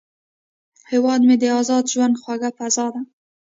هیواد مې د ازاد ژوند خوږه فضا ده